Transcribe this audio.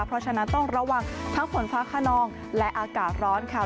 เพราะฉะนั้นต้องระวังทั้งฝนฟ้าขนองและอากาศร้อนค่ะ